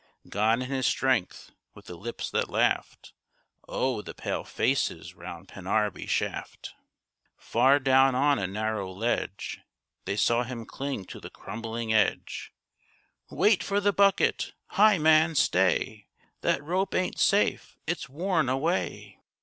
Gone in his strength, With the lips that laughed— Oh, the pale faces round Pennarby shaft! Far down on a narrow ledge, They saw him cling to the crumbling edge. 'Wait for the bucket! Hi, man! Stay! That rope ain't safe! It's worn away!